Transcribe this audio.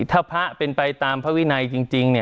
ถ้าพระเป็นไปตามพระวินัยจริง